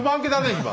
今。